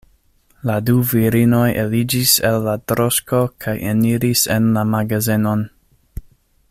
La du virinoj eliĝis el la droŝko kaj eniris en la magazenon.